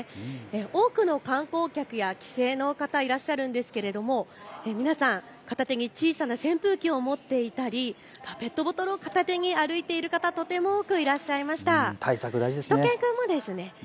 多くの観光客や帰省の方、いらっしゃるんですけれど皆さん、片手に小さな扇風機を持っていたりペットボトルを片手に歩いている方、とても多くいらっしゃいました。